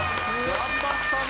頑張ったな！